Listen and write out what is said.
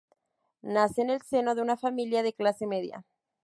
Nace en el seno de una familia de clase media.